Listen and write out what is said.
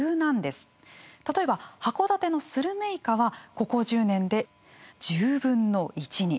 例えば函館のスルメイカはここ１０年で１０分の１に。